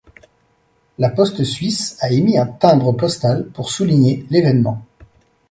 La Poste Suisse a émis un timbre postal pour souligner l'événement.